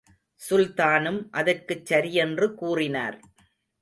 சுல்தானும், அதற்குச் சரியென்று கூறினார்.